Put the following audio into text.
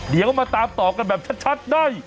เดี๋ยวมาตามต่อกันแบบชัดได้